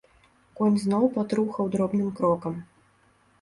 Конь зноў патрухаў дробным крокам.